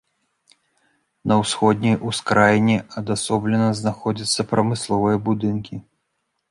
На ўсходняй ускраіне адасоблена знаходзяцца прамысловыя будынкі.